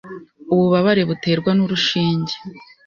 ububabare buterwa n’urushinge